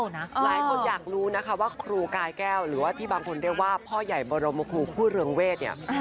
หลายคนอยากรู้นะคะว่าครูกายแก้วหรือว่าที่บางคนเรียกว่าพ่อใหญ่บรมครูคู่เรืองเวทเนี่ย